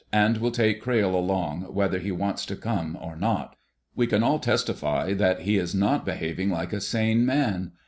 And we'll take Crayle along whether he wants to come or not. We can all testify that he is not behaving like a sane man.